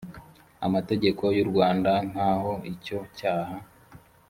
amategeko y u rwanda nk aho icyo cyaha